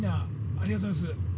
ありがとうございます。